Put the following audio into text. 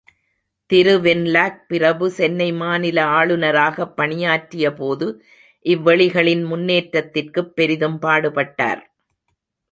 திரு Wenlock பிரபு சென்னை மாநில ஆளுநராகப் பணியாற்றிய போது, இவ்வெளிகளின் முன்னேற்றத்திற்குப் பெரிதும் பாடுபட்டார்.